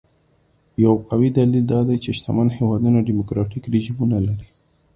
یو قوي دلیل دا دی چې شتمن هېوادونه ډیموکراټیک رژیمونه لري.